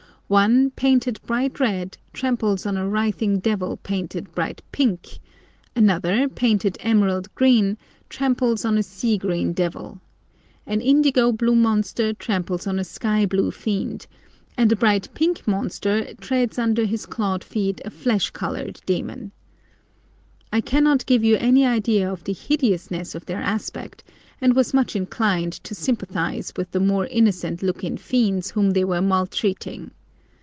One, painted bright red, tramples on a writhing devil painted bright pink; another, painted emerald green, tramples on a sea green devil, an indigo blue monster tramples on a sky blue fiend, and a bright pink monster treads under his clawed feet a flesh coloured demon. I cannot give you any idea of the hideousness of their aspect, and was much inclined to sympathise with the more innocent looking fiends whom they were maltreating.